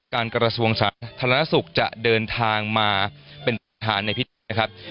การกระทรวงศาลธรรณสุขจะเดินทางมาเป็นทหารในพิธีนะครับ